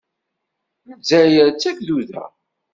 Lezzayer d tagduda.